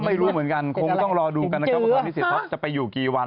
ไม่รู้เหมือนกันคงต้องรอดูกันนะครับว่าความนิสิตพักจะไปอยู่กี่วัน